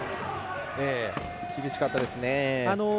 厳しかったですね。